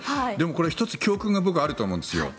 これは１つ教訓があると思うんですよ。